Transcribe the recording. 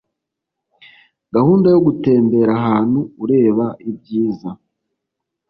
gahunda yo gutembera ahantu ureba ibyiza